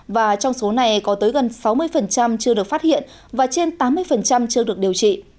và trong số này có tới gần sáu mươi chưa được phát hiện và trên tám mươi chưa được điều trị